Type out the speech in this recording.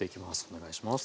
お願いします。